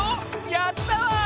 やったわ！